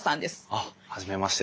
あっ初めまして。